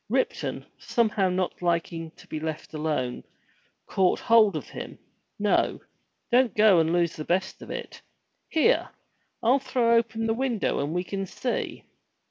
Ripton, somehow not liking to be left alone caught, hold of him. "No! Don't go and lose the best of it. Here, I'll throw open the window and we can see."